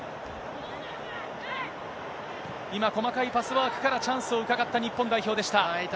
今、細かいパスワークから、チャンスをうかがった日本代表でした。